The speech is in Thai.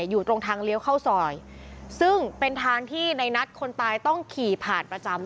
อยู่ตรงทางเลี้ยวเข้าซอยซึ่งเป็นทางที่ในนัดคนตายต้องขี่ผ่านประจำ